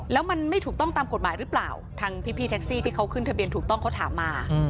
แล้วมันไม่ถูกต้องตามกฎหมายหรือเปล่าทางพี่แท็กซี่ที่เขาขึ้นทะเบียนถูกต้องเขาถามมา